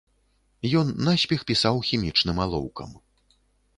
Ён наспех пісаў хімічным алоўкам.